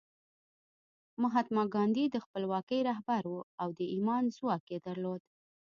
مهاتما ګاندي د خپلواکۍ رهبر و او د ایمان ځواک یې درلود